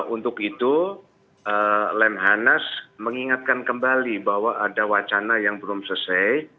untuk itu lemhanas mengingatkan kembali bahwa ada wacana yang belum selesai